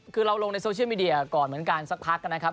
คือเราลงในโซเชียลมีเดียก่อนเหมือนกันสักพักนะครับ